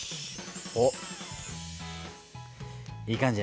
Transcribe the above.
おっいい感じやね。